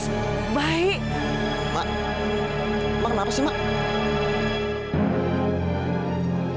sujung aku menang ada tanaman atau tidak